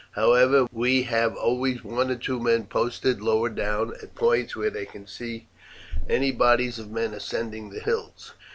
However, we have always one or two men posted lower down, at points where they can see any bodies of men ascending the hills.